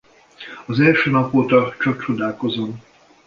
Az első nap óta csak csodálkozom.